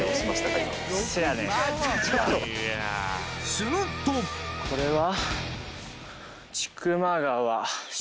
するとこれは？